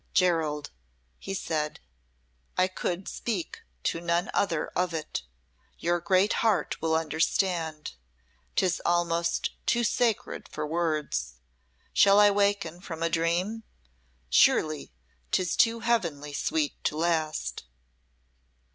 "Gerald," he said, "I could speak to none other of it. Your great heart will understand. 'Tis almost too sacred for words. Shall I waken from a dream? Surely, 'tis too heavenly sweet to last."